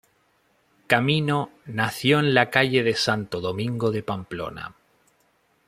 Camino nació en la calle Santo Domingo de Pamplona.